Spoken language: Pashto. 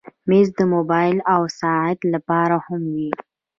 مېز د موبایل او ساعت لپاره هم وي.